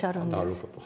なるほど。